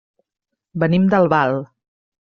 Venim d'Albal.